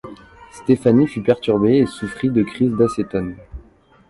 Stéphanie fut perturbée et souffrit de crises d'acétone.